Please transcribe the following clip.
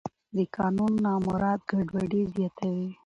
د قانون نه مراعت ګډوډي زیاتوي